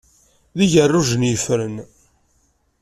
D igerrujen yeffren.